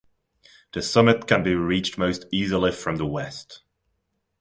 The summit can be reached most easily from the west.